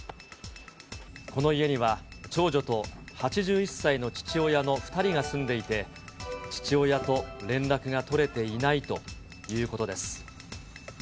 この家には、長女と８１歳の父親の２人が住んでいて、父親と連絡が取れていないということです。